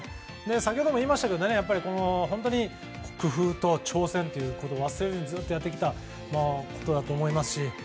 先ほども言いましたけど本当に工夫と挑戦ということを忘れずに、ずっとやってきたことだと思いますし。